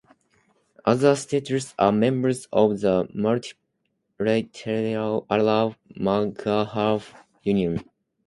Other states are members of the multilateral Arab Maghreb Union.